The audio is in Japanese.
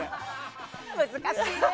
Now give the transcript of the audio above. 難しいね。